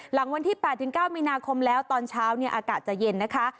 หลังวันที่๘๙มีนาคมแล้วตอนเช้าเนี่ยอากาศจะเย็นนะคะ